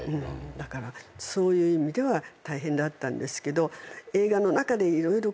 だからそういう意味では大変だったんですけど映画の中で色々こう。